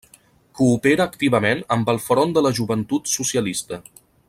Coopera activament amb el Front de la Joventut Socialista.